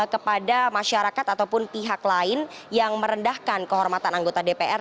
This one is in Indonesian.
kepada masyarakat ataupun pihak lain yang merendahkan kehormatan anggota dpr